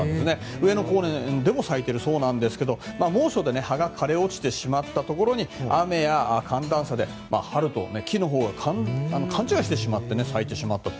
上野公園でも咲いているそうなんですけど猛暑で葉が枯れ落ちてしまったところに雨や寒暖差で、春と木のほうが勘違いしてしまって咲いてしまったと。